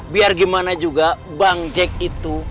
biar gimana juga bank jack itu